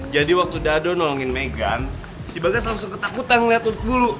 jadi waktu dado nolongin megan si bagas langsung ketakutan liat ulet bulu